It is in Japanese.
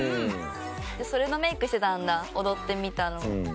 それのメイクしてたんだ踊ってみたの。